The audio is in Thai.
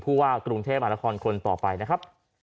ว่ากรุงเทพมหานครคนต่อไปนะครับ